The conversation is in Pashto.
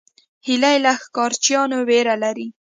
هیلۍ له ښکار چیانو ویره لري